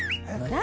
何？